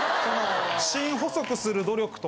芯細くする努力とか。